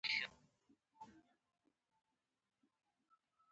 خلاقیت د انسان د پرمختګ سرچینه ده.